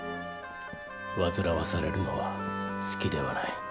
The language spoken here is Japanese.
煩わされるのは好きではない。